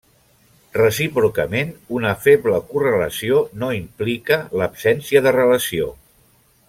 Recíprocament una feble correlació no implica l'absència de relació.